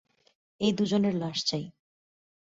এই দুজনের লাশ চাই।